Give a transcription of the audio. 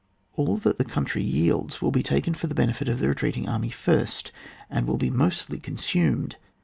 All that the countiy yields will be taken for the benefit of the retreating army first, and will be mostly consumed.